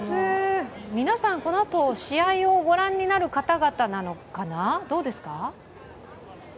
皆さん、このあと試合をご覧になる方々なのかな、どうですか？